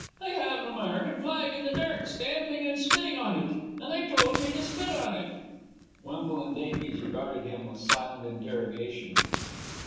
"They had an American flag in the dirt, stamping and spitting on it. And they told me to spit on it." Wemple and Davies regarded him with silent interrogation.